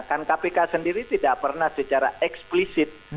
kan kpk sendiri tidak pernah secara eksplisit